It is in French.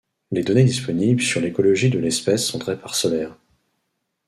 Les données disponibles sur l'écologie de l'espèce sont très parcellaires.